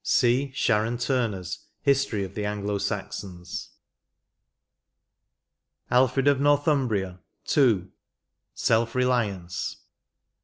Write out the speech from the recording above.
— See Sharon Turner s '' His tory of the Anglo Saxons*' XXXIV. ALFRED OF NORTHUMBRIA. — II. SELF RELIANCE.